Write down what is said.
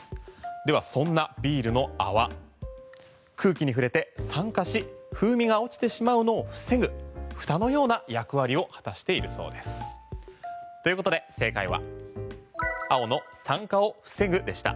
ではそんなビールの泡空気に触れて酸化し風味が落ちてしまうのを防ぐふたのような役割を果たしているそうです。ということで正解は青の酸化を防ぐでした。